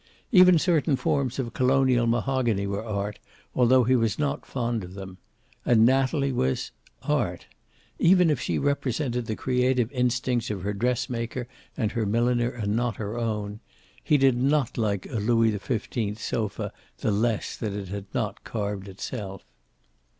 Even certain forms of Colonial mahogany were art, although he was not fond of them. And Natalie was art. Even if she represented the creative instincts of her dressmaker and her milliner, and not her own he did not like a Louis XV sofa the less that it had not carved itself.